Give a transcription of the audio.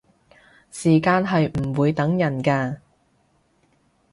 時間係唔會等人嘅